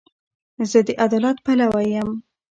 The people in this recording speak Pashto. زه د عدالت پلوی یم.